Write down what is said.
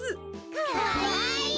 かわいい。